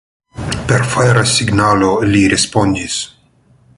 Per fajra signalo, li respondis.